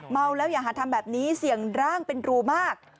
เมาแล้วอย่าหาทำแบบนี้เสี่ยงร่างเป็นรูมาก